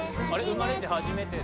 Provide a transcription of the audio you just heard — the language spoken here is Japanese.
・「生まれてはじめて」